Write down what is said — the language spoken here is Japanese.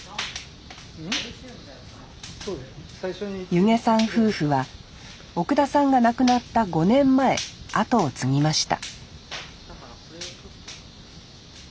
弓削さん夫婦は奥田さんが亡くなった５年前後を継ぎました